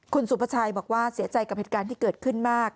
คุณสุภาชัยบอกว่าเสียใจกับเหตุการณ์ที่เกิดขึ้นมาก